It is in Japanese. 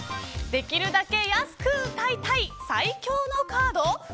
できるだけ安く歌いたい最強のカード。